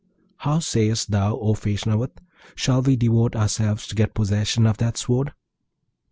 How sayest thou, O Feshnavat, shall we devote ourselves to get possession of that Sword?'